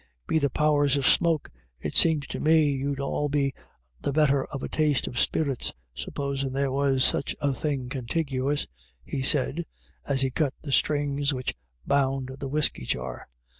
" Be the powers of smoke, it seems to me we'd 132 IRISH IDYLLS. all be the better of a taste of spirits, supposin' there was such a thing contiguous," he said, as he cut the strings which bound the whiskey jar.